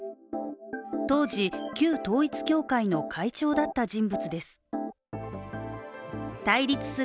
当時、旧統一教会の会長だった人物です。